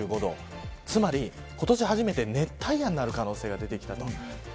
つまり、今年初めて熱帯夜になる可能性が出てきました。